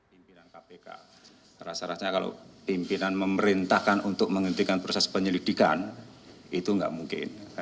pimpinan kpk rasa rasanya kalau pimpinan memerintahkan untuk menghentikan proses penyelidikan itu nggak mungkin